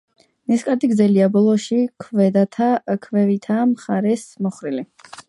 ნისკარტი გრძელია, ბოლოში ქვევითა მხარეს მოხრილი.